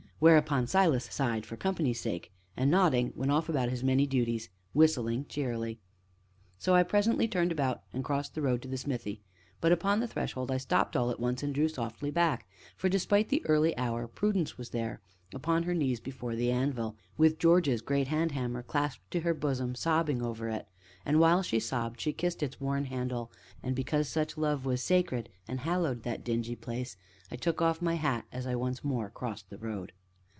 Whereupon Silas sighed, for company's sake, and nodding, went off about his many duties, whistling cheerily. So I presently turned about and crossed the road to the smithy. But upon the threshold I stopped all at once and drew softly back, for, despite the early hour, Prudence was there, upon her knees before the anvil, with George's great hand hammer clasped to her bosom, sobbing over it, and, while she sobbed, she kissed its worn handle. And because such love was sacred and hallowed that dingy place, I took off my hat as I once more crossed the road.